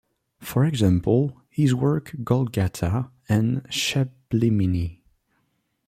For example, his work Golgatha and Scheblimini!